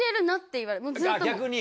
逆に？